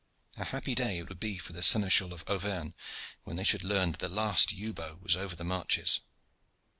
A happy day it would be for the Seneschal of Auvergne when they should learn that the last yew bow was over the marches.